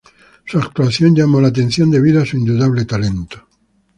Su actuación llamó la atención debido a su indudable talento.